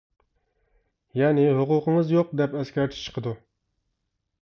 يەنى ھوقۇقىڭىز يوق دەپ ئەسكەرتىش چىقىدۇ.